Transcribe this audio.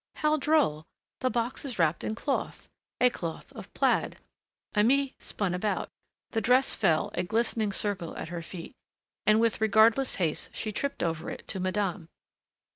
"How droll the box is wrapped in cloth, a cloth of plaid." Aimée spun about. The dress fell, a glistening circle at her feet, and with regardless haste she tripped over it to madame.